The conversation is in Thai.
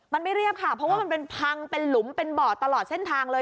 มันไม่เรียบค่ะเพราะว่ามันเป็นพังเป็นหลุมเป็นบ่อตลอดเส้นทางเลย